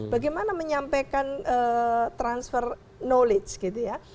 bagaimana menyampaikan transfer knowledge gitu ya